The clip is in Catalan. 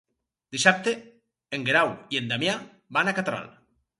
Dissabte en Guerau i en Damià van a Catral.